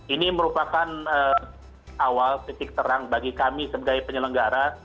ini merupakan awal titik terang bagi kami sebagai penyelenggara